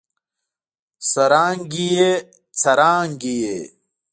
سرانګې ئې ، څرانګې ئې